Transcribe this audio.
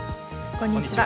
こんにちは。